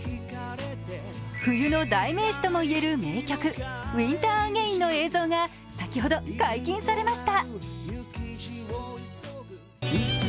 冬の代名詞ともいえる名曲「Ｗｉｎｔｅｒ，ａｇａｉｎ」の映像が先ほど解禁されました。